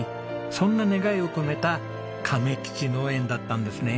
そんな願いを込めた亀吉農園だったんですね。